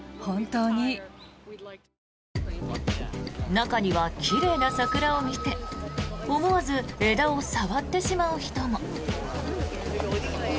中には奇麗な桜を見て思わず枝を触ってしまう人も。